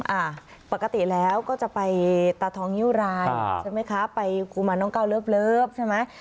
อ่าปกติแล้วก็จะไปตาทองนิ้วรายใช่ไหมคะไปกุมารน้องก้าวเลิฟใช่ไหม